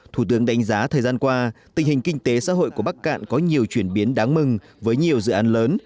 thủ tướng đánh giá thời gian qua tình hình kinh tế xã hội của bắc cạn có nhiều chuyển biến đáng mừng với nhiều dự án lớn